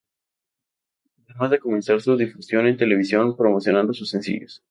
Además de comenzar su difusión en televisión promocionando sus sencillos.